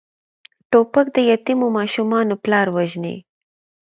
توپک د یتیمو ماشومانو پلار وژني.